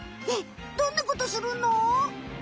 ねえどんなことするの？